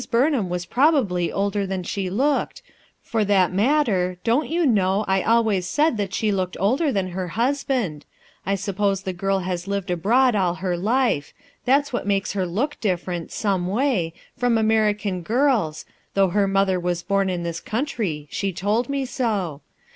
Burnham Was prob ably older than she looked; for that matter, don't you know, I always said that she looked older ■ than her husband ? I suppose the girl has lived abroad all her life; that's what makes her look different, some way, from American girls, though her mother was born in this coun try, she told me so.